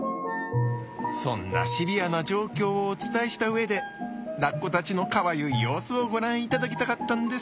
そんなシビアな状況をお伝えした上でラッコたちのかわゆい様子をご覧いただきたかったんです。